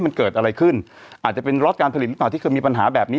มันเกิดอะไรขึ้นอาจจะเป็นล็อตการผลิตหรือเปล่าที่เคยมีปัญหาแบบนี้